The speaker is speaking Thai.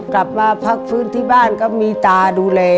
กลับมาพักฟื้นที่บ้านก็มีตาดูแล